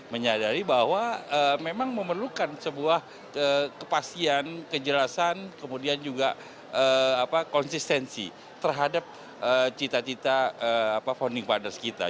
menyadari bahwa memang memerlukan sebuah kepastian kejelasan kemudian juga konsistensi terhadap cita cita founding fathers kita